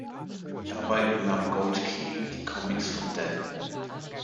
Dabei übernahm Gold Key die Comics von Dell.